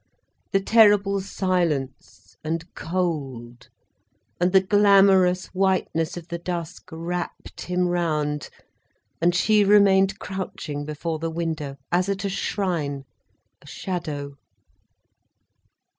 The terrible silence and cold and the glamorous whiteness of the dusk wrapped him round, and she remained crouching before the window, as at a shrine, a shadow.